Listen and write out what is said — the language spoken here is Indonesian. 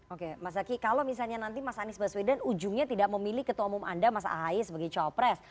oke mas zaky kalau misalnya nanti mas anies baswedan ujungnya tidak memilih ketua umum anda mas ahaye sebagai cawapres